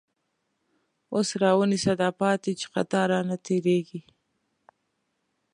اوس راونیسه داپاتی، چی قطار رانه تير یږی